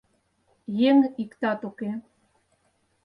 Еҥ иктат уке.